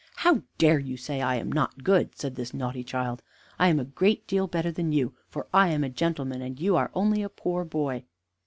"How dare you say I am not good?" said this naughty child. "I am a great deal better than you, for I am a gentleman, and you are only a poor boy."